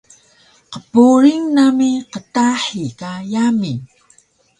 Qpuring nami qtahi ka yami